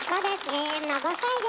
永遠の５さいです。